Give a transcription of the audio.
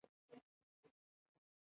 مامور د معاش او رخصتۍ حق لري.